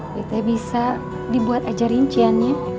kita bisa dibuat aja rinciannya